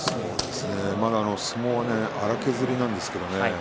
まだ相撲は粗削りなんですけどね。